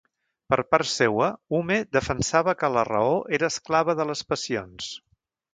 Per part seua, Hume defensava que la raó era esclava de les passions.